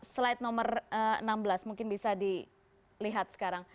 slide nomor enam belas mungkin bisa dilihat sekarang